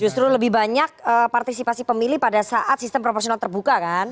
justru lebih banyak partisipasi pemilih pada saat sistem proporsional terbuka kan